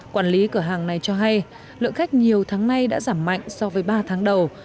quản lý cửa hàng này cho hay lượng khách nhiều tháng nay đã giảm mạnh so với ba tháng đầu